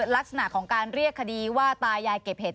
ลักษณะของการเรียกคดีว่าตายายเก็บเห็ด